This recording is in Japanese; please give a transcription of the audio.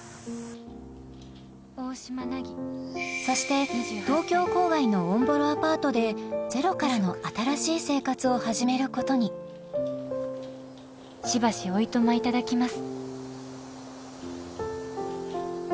そして東京郊外のおんぼろアパートでゼロからの新しい生活を始めることにしばしお暇いただきます